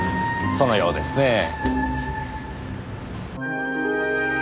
そのようですねぇ。